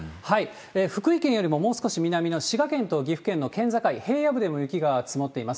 福井県よりももう少し南の滋賀県と岐阜県の県境、平野部でも雪が積もっています。